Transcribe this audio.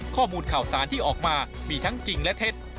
ข้อมูลข่าวสารที่ออกมามีทั้งจริงและเท็จ